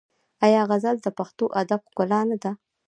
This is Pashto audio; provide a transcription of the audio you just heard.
آیا غزل د پښتو ادب ښکلا نه ده؟